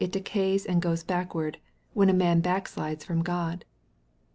19 decays and goes backward, when a man backslides from God.